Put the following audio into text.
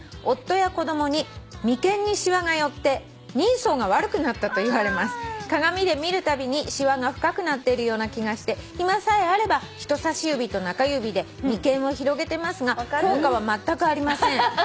夫や子供に『眉間にしわが寄って人相が悪くなった』と言われます」「鏡で見るたびにしわが深くなっているような気がして暇さえあれば人さし指と中指で眉間を広げてますが効果はまったくありません」